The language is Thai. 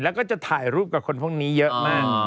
แล้วก็จะถ่ายรูปกับคนพวกนี้เยอะมาก